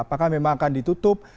apakah memang akan ditutup